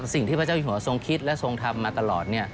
สิ่งที่พระเจ้าอยู่หัวทรงคิดและทรงทำมาตลอด